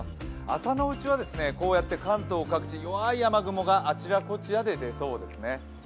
朝のうちはこうやって関東各地弱い雨雲があちらこちらで出そうですね。